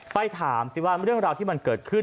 ไปถามสิว่าเรื่องราวที่มันเกิดขึ้น